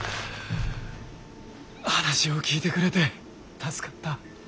話を聞いてくれて助かった。